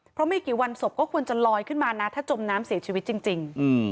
เพราะไม่กี่วันศพก็ควรจะลอยขึ้นมานะถ้าจมน้ำเสียชีวิตจริง